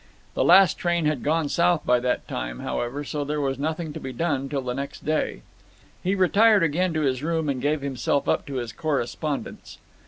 The last train had gone south by that time, however, so there was nothing to be done till the next day. He retired again to his room and gave himself up to his correspondence.